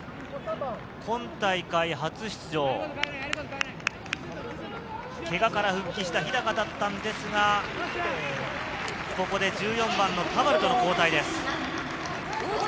今大会、初出場、けがから復帰した日高だったんですが、ここで１４番の田原との交代です。